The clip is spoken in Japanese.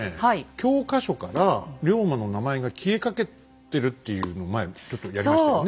教科書から龍馬の名前が消えかけてるっていうのを前ちょっとやりましたよね。